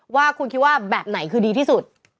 ว่าคุณคิดว่าแบบไหนคือดีที่สุด